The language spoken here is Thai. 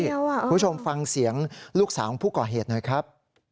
คุณผู้ชมฟังเสียงลูกสาวของผู้ก่อเหตุหน่อยครับ